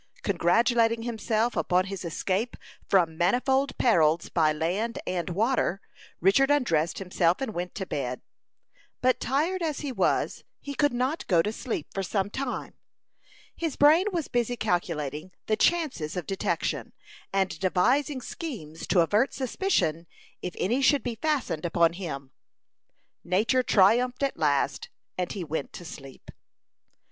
Congratulating himself upon his escape from manifold perils by land and water, Richard undressed himself and went to bed. But tired as he was, he could not go to sleep for some time. His brain was busy calculating the chances of detection, and devising schemes to avert suspicion if any should be fastened upon him. Nature triumphed at last, and he went to sleep.